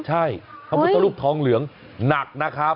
ใช่พระพุทธรูปทองเหลืองหนักนะครับ